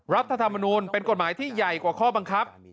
รัฐธรรมนูลเป็นกฎหมายที่ใหญ่กว่าข้อบังคับ